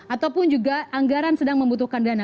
ataupun juga anggaran sedang membutuhkan dana